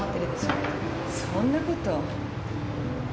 そんなこと。